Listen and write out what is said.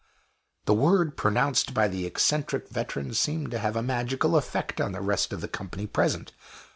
The word pronounced by the eccentric veteran seemed to have a magical effect on the rest of the company present.